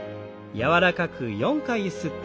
柔らかく２回ゆすって。